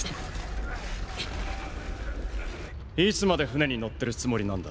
いつまで船に乗ってるつもりなんだ。